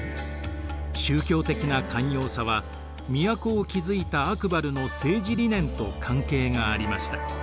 宗教的な寛容さは都を築いたアクバルの政治理念と関係がありました。